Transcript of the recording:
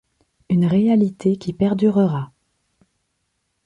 Une réalité qui perdurera.